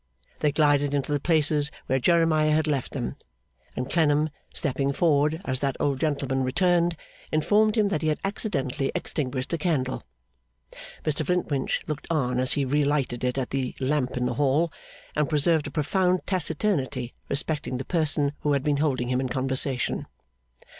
They glided into the places where Jeremiah had left them; and Clennam, stepping forward as that old gentleman returned, informed him that he had accidentally extinguished the candle. Mr Flintwinch looked on as he re lighted it at the lamp in the hall, and preserved a profound taciturnity respecting the person who had been holding him in conversation.